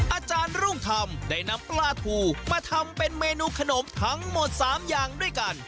อาจารย์รุ่งธรรมได้นำปลาทูมาทำเป็นเมนูขนมทั้งหมด๓อย่างด้วยกัน